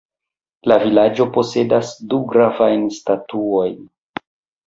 La vilaĝo posedas du gravajn statuojn.